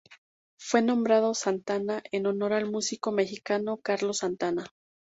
Fue nombrado Santana en honor al músico mexicano Carlos Santana.